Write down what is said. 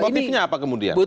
motivnya apa kemudian